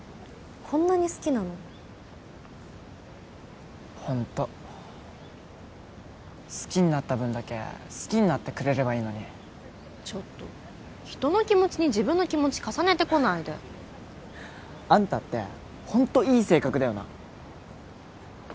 こんなに好きなのにホント好きになった分だけ好きになってくれればいいのにちょっと人の気持ちに自分の気持ち重ねてこないであんたってホントいい性格だよな